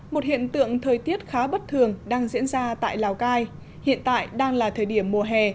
một hiện tượng thời tiết khá bất thường đang diễn ra tại lào cai hiện tại đang là thời điểm mùa hè